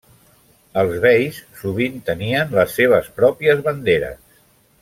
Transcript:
Els beis sovint tenien les seves pròpies banderes.